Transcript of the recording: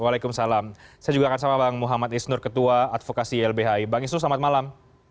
waalaikumsalam saya juga akan sama bang muhammad isnur ketua advokasi ylbhi bang isnur selamat malam